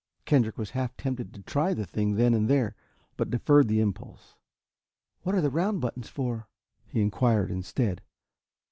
Kendrick was half tempted to try the thing then and there, but deferred the impulse. "What are the round buttons for?" he inquired instead.